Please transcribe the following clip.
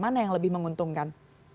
mana yang lebih menguntungkan